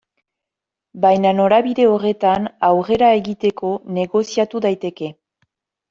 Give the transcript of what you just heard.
Baina norabide horretan aurrera egiteko negoziatu daiteke.